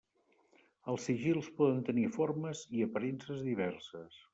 Els sigils poden tenir formes i aparences diverses.